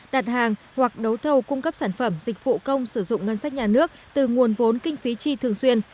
đặt hàng hoặc đấu thầu cung cấp sản phẩm dịch vụ công sử dụng ngân sách nhà nước từ nguồn vốn kinh phí tri thường xuyên